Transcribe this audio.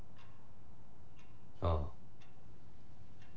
ああ。